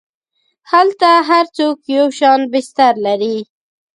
هلته هر څوک یو شان بستر لري.